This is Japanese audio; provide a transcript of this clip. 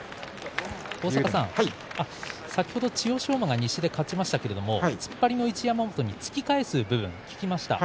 先ほど千代翔馬が西で勝ちましたが突っ張りの一山本に突き返す部分聞きました。